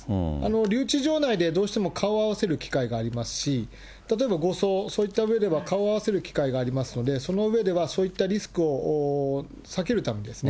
留置場内でどうしても顔を合わせる機会がありますし、例えば護送、そういったうえでは顔を合わせる機会がありますので、その上ではそういったリスクを避けるためですね。